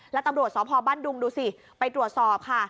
แล้วตำรวจสพบ้านดุงดูสิไปตรวจสอบค่ะ